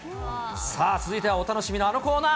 さあ、続いてはお楽しみのあのコーナー。